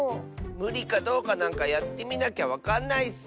むりかどうかなんかやってみなきゃわかんないッス！